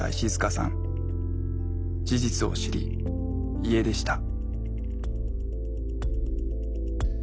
事実を知り家出した。